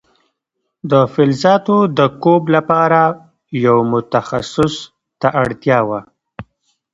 د فلزاتو د کوب لپاره یو متخصص ته اړتیا وه.